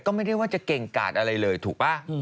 ก็ไม่ได้ว่าจะเก่งกาดอะไรเลยถูกป่ะ